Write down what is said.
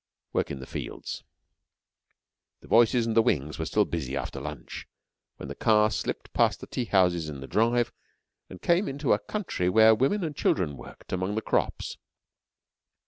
WORK IN THE FIELDS The voices and the wings were still busy after lunch, when the car slipped past the tea houses in the drive, and came into a country where women and children worked among the crops.